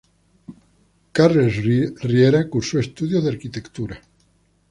Carles Riera cursó estudios de arquitectura.